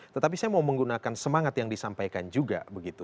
tetapi saya mau menggunakan semangat yang disampaikan juga begitu